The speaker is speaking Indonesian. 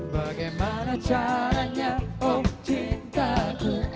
bagaimana caranya oh cintaku